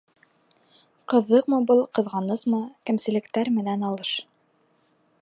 Ҡыҙыҡмы был, ҡыҙғанысмы: Кәмселектәр менән алыш